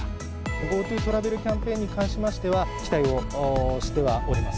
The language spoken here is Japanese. ＧｏＴｏトラベルキャンペーンに関しましては、期待をしてはおります。